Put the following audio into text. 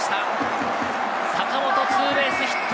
坂本、ツーベースヒット！